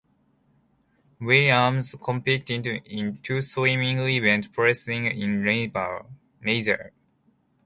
Williams competed in two swimming events, placing in neither.